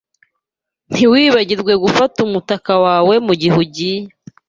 Ntiwibagirwe gufata umutaka wawe mugihe ugiye.